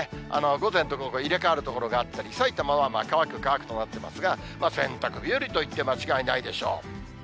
午前と午後、入れ代わる所があったり、さいたまは乾く、乾くとなってますが、洗濯日和といって間違いないでしょう。